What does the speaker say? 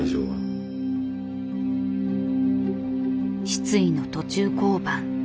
失意の途中降板。